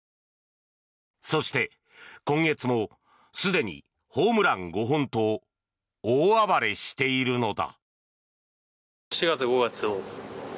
そして、今月もすでにホームラン５本と大暴れしているのだ。